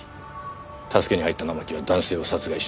助けに入った生木は男性を殺害した。